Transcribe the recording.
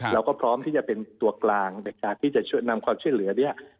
เราก็พร้อมที่จะเป็นตัวกลางที่จะนำความเชื่อเหลือ